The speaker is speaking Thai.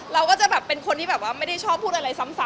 เราก็จะเป็นคนที่ไม่ได้ชอบพูดอะไรซ้ำ